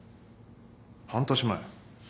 半年前？